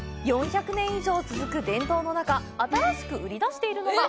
４００年以上続く伝統の中新しく売り出しているのが。